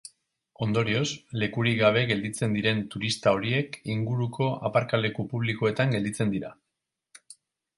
Ondorioz, lekurik gabe gelditzen diren turista horiek inguruko aparkaleku publikoetan gelditzen dira.